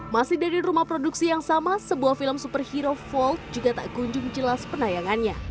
masih dari rumah produksi yang sama sebuah film superhero volt juga tak kunjung jelas penayangannya